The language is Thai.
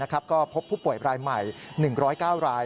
ก็พบผู้ป่วยรายใหม่๑๐๙ราย